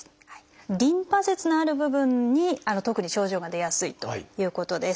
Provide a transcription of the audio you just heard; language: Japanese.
リンパ節のある部分に特に症状が出やすいということです。